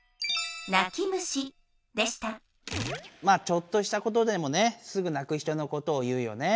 ちょっとしたことでもねすぐなく人のことを言うよね。